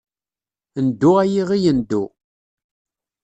Ndu ay iɣi ndu.